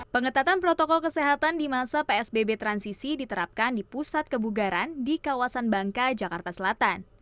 pengetatan protokol kesehatan di masa psbb transisi diterapkan di pusat kebugaran di kawasan bangka jakarta selatan